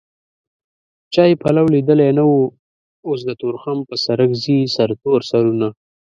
چا يې پلو ليدلی نه و اوس د تورخم په سرک ځي سرتور سرونه